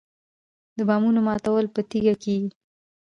د بادامو ماتول په تیږه کیږي.